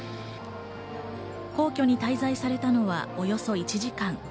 皇居に滞在されたのはおよそ１時間。